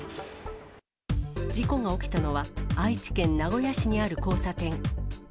事故が起きたのは、愛知県名古屋市にある交差点。